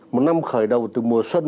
một năm khởi đầu từ mùa xuân